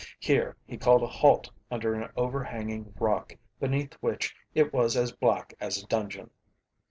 Here he called a halt under an overhanging rock beneath which it was as black as a dungeon.